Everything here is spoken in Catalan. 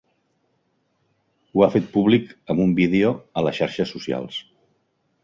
Ho ha fet públic amb un vídeo a les xarxes socials.